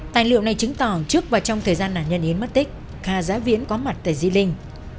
tài liệu này chứng tỏ trước và trong thời gian nạn nhân yến mất tích kha giã viễn có mặt tại di linh